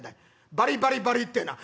「バリバリバリってえのは？」。